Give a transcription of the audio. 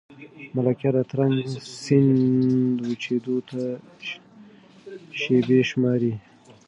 ملکیار د ترنک سیند وچېدو ته شېبې شماري.